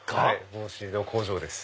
帽子の工場です。